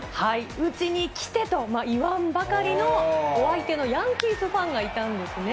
うちに来てと言わんばかりの、お相手のヤンキースファンがいたんですね。